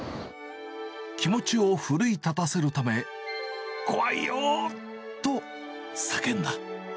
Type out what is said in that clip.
気持ちを奮い立たせるため、怖いよーっと叫んだ。